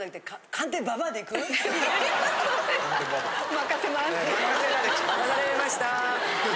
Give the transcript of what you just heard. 任されました。